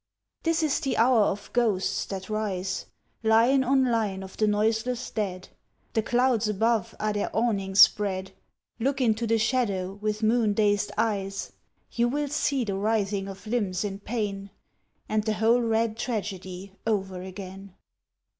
This is the hour of ghosts that rise; Line on line of the noiseless dead The clouds above are their awning spread; Look into the shadow with moon dazed eyes, You will see the writhing of limbs in pain, And the whole red tragedy over again.